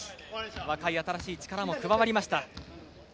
若い新しい力も加わりました。